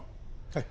はい。